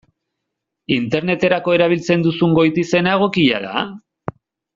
Interneterako erabiltzen duzun goitizena egokia da?